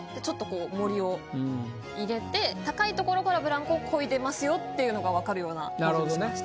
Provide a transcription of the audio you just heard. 入れて高い所からブランコをこいでますよっていうのが分かるような構図にしました。